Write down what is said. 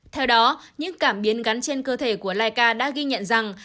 theo đó những cảm biến gắn trên cơ thể của laika đã ghi nhận rằng